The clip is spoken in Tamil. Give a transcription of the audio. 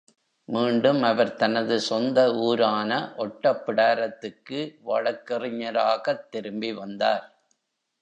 மீண்டும் அவர் தனது சொந்த ஊரான ஒட்டப்பிடாரத்துக்கு வழக்கறிஞராகத் திரும்பி வந்தார்.